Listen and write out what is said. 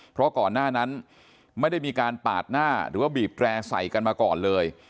เพราะก่อนหน้านั้นไม่ได้มีการปาดหน้าหรือว่าบีบแร่ใส่กันมาก่อนเลย